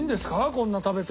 こんな食べて。